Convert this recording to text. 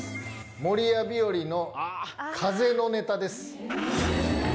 守谷日和の風のネタです。